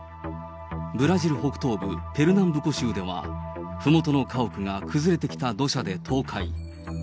ブラジル北東部ペルナンブコ州ではふもとの家屋が崩れてきた土砂で倒壊。